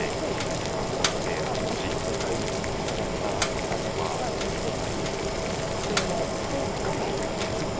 せっかくなのでもし正解頂けた方にはちょっと今回特製のガムを手作り。